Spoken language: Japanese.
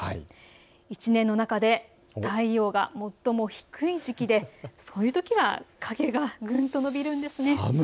一年の中で太陽が最も低い時期でそういうときは影がぐんと伸びるんです。